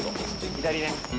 左ね。